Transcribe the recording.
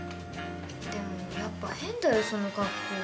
でもやっぱ変だよその格好。